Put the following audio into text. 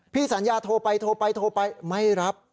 พี่สัญญาโทรไปโทรไปโทรไปไม่รับ